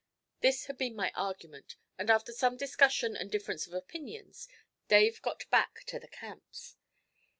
This had been my argument, and after some discussion and difference of opinions Dave got back to the Camps.